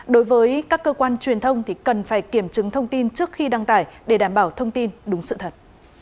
đối với các cơ quan truyền thông thì cần phải kiểm chứng thông tin trước khi đăng tải để đảm bảo thông tin đúng sự thật